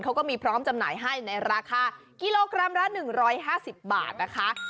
เขาก็มีพร้อมจำหน่ายให้ในราคากิโลกรัมละ๑๕๐บาทนะคะ